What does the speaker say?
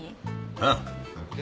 ああ。